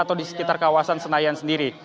atau di sekitar kawasan senayan sendiri